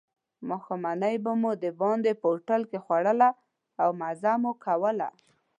ماښامنۍ به مو دباندې په هوټل کې خوړله او مزه مو کوله.